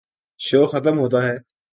شو ختم ہوتا ہے۔